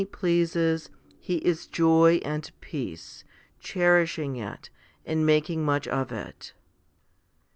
HOMILY IV 27 pleases, He is joy and peace, cherishing it and making much of it.